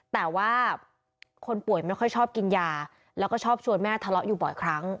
แต่ว่าคนป่วยไม่ค่อยชอบกินยาแล้วก็ชอบชวนแม่ทะเลาะอยู่บ่อยครั้ง